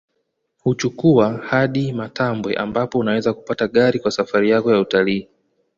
Hukuchukua hadi Matambwe ambapo unaweza kupata gari kwa safari yako ya utalii